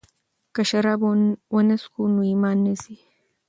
که شراب ونه څښو نو ایمان نه ځي.